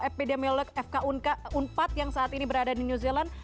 fpd melek fk unpad yang saat ini berada di new zealand